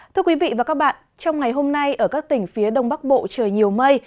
thưa quý vị và các bạn trong ngày hôm nay ở các tỉnh phía đông bắc bộ trời nhiều mây